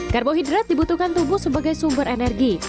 karbohidrat dibutuhkan tubuh sebagai sumber energi